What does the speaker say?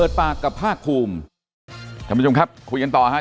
สวัสดีมาจุมครับคุยกันต่อค้า